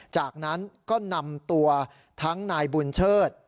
จากนั้นก็นำตัวทั้งนายบุญเชิด